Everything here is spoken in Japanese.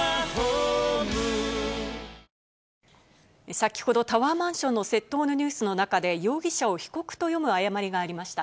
先ほどタワーマンションの窃盗のニュースの中で、容疑者を被告と読む誤りがありました。